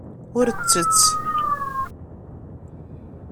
Ur ttett.